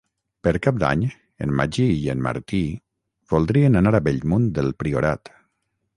Per Cap d'Any en Magí i en Martí voldrien anar a Bellmunt del Priorat.